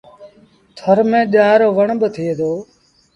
ٿر ميݩ ڄآر رو وڻ با ٿئي دو۔